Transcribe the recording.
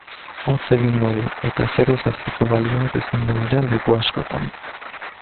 Hotz egingo du, eta zeroz azpiko balioak izango dira leku askotan.